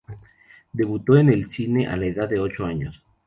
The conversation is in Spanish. Debutó en el cine a la edad de ocho años.